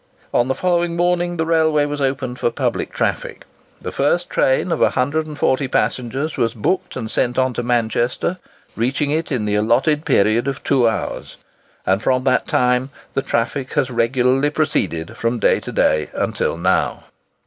On the following morning the railway was opened for public traffic. The first train of 140 passengers was booked and sent on to Manchester, reaching it in the allotted period of two hours; and from that time the traffic has regularly proceeded from day to day until now.